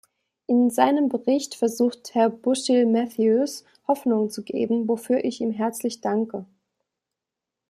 In seinem Bericht versucht Herr Bushill-Matthews, Hoffnung zu geben, wofür ich ihm herzlich danke.